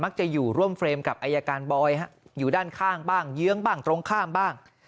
จะอยู่ร่วมเฟรมกับอายการบอยอยู่ด้านข้างบ้างเยื้องบ้างตรงข้ามบ้าง